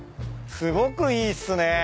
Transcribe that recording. すごくいいっすね。